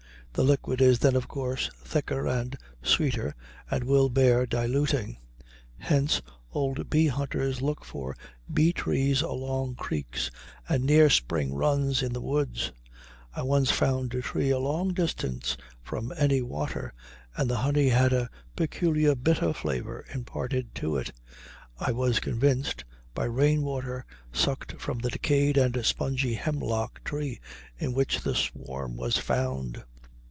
The liquid is then of course thicker and sweeter, and will bear diluting. Hence old bee hunters look for bee trees along creeks and near spring runs in the woods. I once found a tree a long distance from any water, and the honey had a peculiar bitter flavor, imparted to it, I was convinced, by rainwater sucked from the decayed and spongy hemlock tree in which the swarm was found.